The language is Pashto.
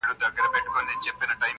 حقیقت واوره تر تا دي سم قربانه,